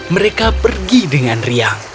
mereka pergi dengan riang